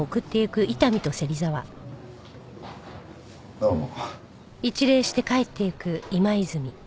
どうも。